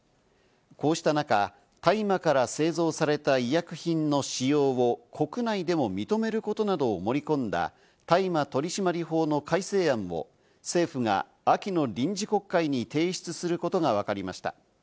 こうした中、大麻から製造された医薬品の使用を国内でも認めることなどを盛り込んだ大麻取締法の改正案も、政府が秋の臨時国会に提出することがわかりました。